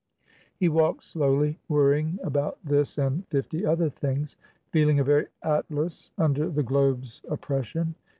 He walked slowly, worrying about this and fifty other things, feeling a very Atlas under the globe's oppression.